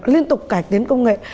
liên tục cải tiến công nghệ